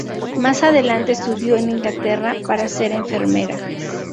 Más adelante estudió en Inglaterra para ser enfermera.